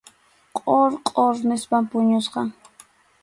Qhur qhur nispam puñuchkan.